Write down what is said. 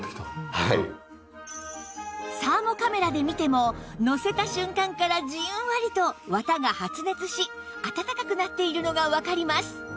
サーモカメラで見てものせた瞬間からじんわりと綿が発熱し暖かくなっているのがわかります